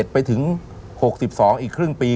ไปถึง๖๒อีกครึ่งปี